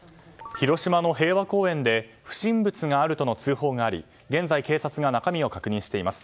広島の平和公園で不審物があるとの通報があり、現在警察が中身を確認しています。